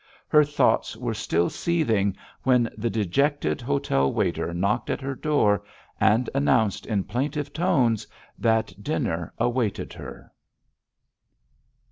Her thoughts were still seething, when the dejected hotel waiter knocked at her door and announced in plaintive tones that dinner awaited her.